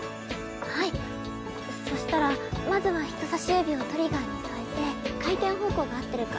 はいそしたらまずは人さし指をトリガーに添えて回転方向が合ってるか